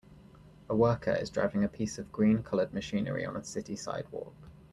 A worker is driving a piece of green colored machinery on a city sidewalk.